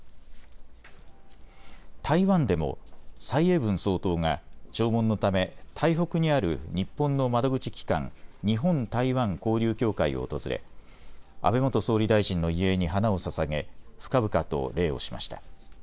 台湾でも蔡英文総統が弔問のため台北にある日本の窓口機関日本台湾交流協会を訪れ安倍元総理大臣の遺影に花をささげ深々と礼をしました。